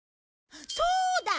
そうだ！